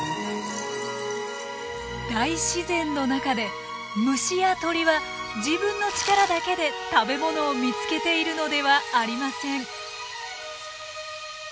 大自然の中で虫や鳥は自分の力だけで食べ物を見つけているのではありません。